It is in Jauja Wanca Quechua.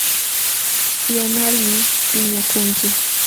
Yanqalmi piñakunki.